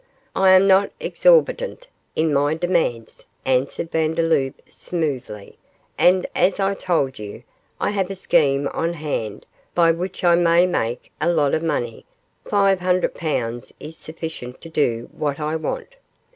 'I am not exorbitant in my demands,' answered Vandeloup, smoothly; 'and as I told you, I have a scheme on hand by which I may make a lot of money five hundred pounds is sufficient to do what I want.